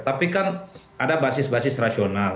tapi kan ada basis basis rasional